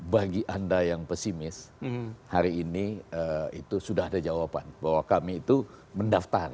bagi anda yang pesimis hari ini itu sudah ada jawaban bahwa kami itu mendaftar